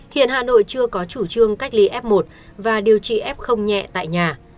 hiện hà nội chưa có chủ trương cách ly f một và điều trị f nhẹ tại nhà